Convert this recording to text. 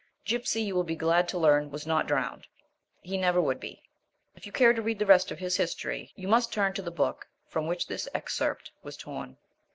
Gipsy, you will be glad to learn, was not drowned. He never would be. If you care to read the rest of his history you must turn to the book from which this excerpt was torn.